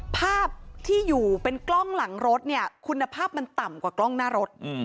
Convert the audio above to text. ภาพที่อยู่เป็นกล้องหลังรถเนี่ยคุณภาพมันต่ำกว่ากล้องหน้ารถ